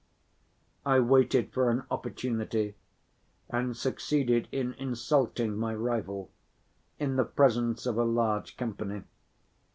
I waited for an opportunity and succeeded in insulting my "rival" in the presence of a large company.